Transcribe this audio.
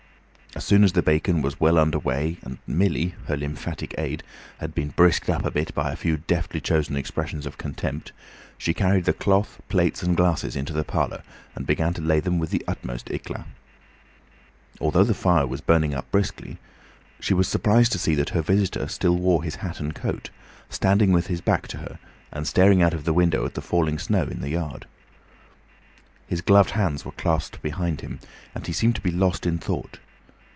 As soon as the bacon was well under way, and Millie, her lymphatic maid, had been brisked up a bit by a few deftly chosen expressions of contempt, she carried the cloth, plates, and glasses into the parlour and began to lay them with the utmost éclat. Although the fire was burning up briskly, she was surprised to see that her visitor still wore his hat and coat, standing with his back to her and staring out of the window at the falling snow in the yard. His gloved hands were clasped behind him, and he seemed to be lost in thought.